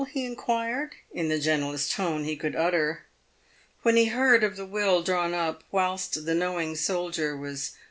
he inquired, in the gentlest tone he could utter. When he heard of the will drawn up wliilst the knowing soldier was 408 PAYED WITH GOLD.